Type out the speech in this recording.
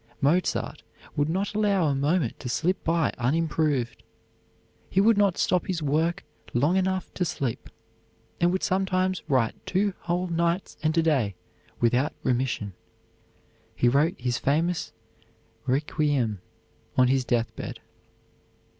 Mozart would not allow a moment to slip by unimproved. He would not stop his work long enough to sleep, and would sometimes write two whole nights and a day without intermission. He wrote his famous "Requiem" on his death bed.